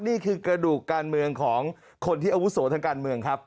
นี่คือกระดูกการเมืองของคนที่อาวุโสทางการเมืองครับ